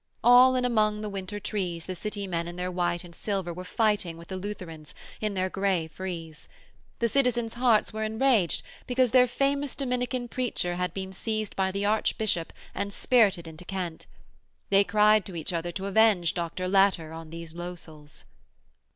All in among the winter trees the City men in their white and silver were fighting with the Lutherans in their grey frieze. The citizens' hearts were enraged because their famous Dominican preacher had been seized by the Archbishop and spirited into Kent. They cried to each other to avenge Dr. Latter on these lowsels.